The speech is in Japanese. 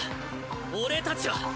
俺たちは！